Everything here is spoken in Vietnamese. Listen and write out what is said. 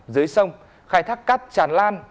dưới sông khai thác cắt tràn lan